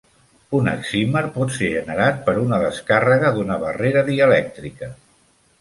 Un excímer pot ser generat per una descàrrega d'una barrera dielèctrica.